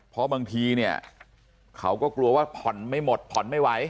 เพราะบางทีเนี่ยเขาก็กลัวว่าผ่อนไม่หมดผ่อนไม่ไหว